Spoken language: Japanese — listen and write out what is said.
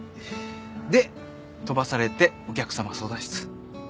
で飛ばされてお客様相談室。